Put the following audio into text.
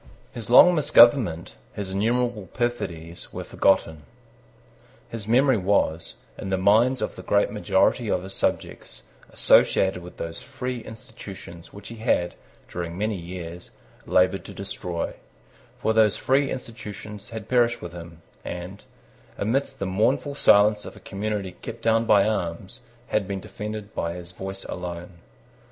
His long misgovernment, his innumerable perfidies, were forgotten. His memory was, in the minds of the great majority of his subjects, associated with those free institutions which he had, during many years, laboured to destroy: for those free institutions had perished with him, and, amidst the mournful silence of a community kept down by arms, had been defended by his voice alone.